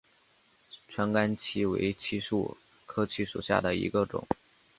川甘槭为槭树科槭属下的一个种。